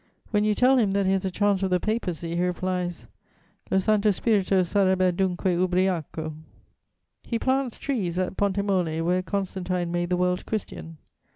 When you tell him that he has a chance of the Papacy, he replies, "Lo santo Spirito sarebber dunque ubriaco!" He plants trees at Ponte Mole, where Constantine made the world Christian.